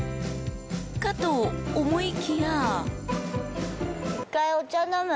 ［かと思いきや］